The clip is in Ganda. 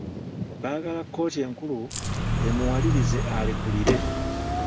Baagala kkooti enkulu emuwalirize alekulire.